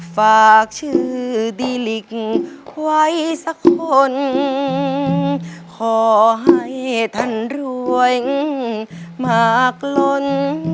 ฝากชื่อดีลิกไว้สักคนขอให้ท่านรวยมากล้น